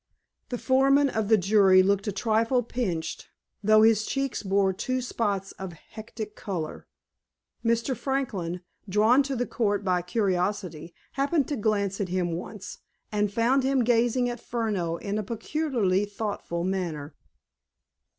The foreman of the jury looked a trifle pinched, though his cheeks bore two spots of hectic color. Mr. Franklin, drawn to the court by curiosity, happened to glance at him once, and found him gazing at Furneaux in a peculiarly thoughtful manner.